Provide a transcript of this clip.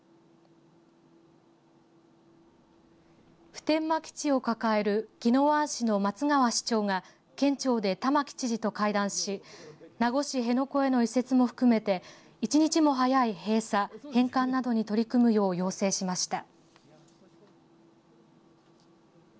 普天間基地を抱える宜野湾市の松川市長が県庁で玉城知事と会談し名護市辺野古への移設も含めて１日も早い閉鎖、返還などに取り組むよう要請しました。